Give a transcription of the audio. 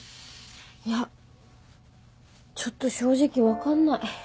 いやちょっと正直分かんない。